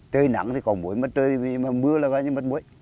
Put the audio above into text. trời nắng thì có muối mà trời mưa là gọi như mất muối